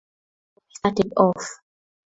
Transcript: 'So we started off.